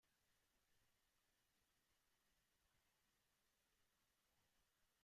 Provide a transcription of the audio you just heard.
La cultura de Tlön es descrita cuidadosamente.